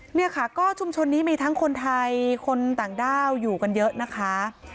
เนี่ยค่ะก็ชุมชนนี้มีทั้งคนไทยคนต่างด้าวอยู่กันเยอะนะคะ